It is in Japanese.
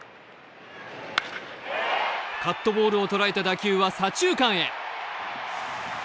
カットボールを捉えた打球は左中間へ。